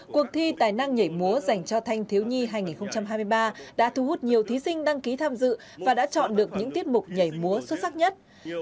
cuộc thi tài năng nhảy múa dành cho thanh thiếu nhi hai nghìn hai mươi ba đã thu hút nhiều thí sinh đăng ký tham dự và đã chọn được những tiết mục nhảy múa xuất sắc nhất